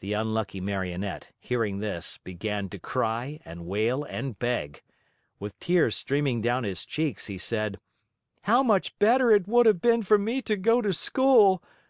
The unlucky Marionette, hearing this, began to cry and wail and beg. With tears streaming down his cheeks, he said: "How much better it would have been for me to go to school!